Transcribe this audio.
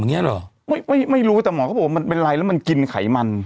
อย่างเงี้เหรอไม่ไม่ไม่รู้แต่หมอเขาบอกว่ามันเป็นไรแล้วมันกินไขมัน